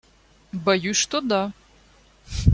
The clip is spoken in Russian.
Боюсь, что да.